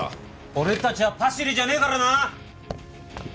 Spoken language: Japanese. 俺たちはパシリじゃねえからな！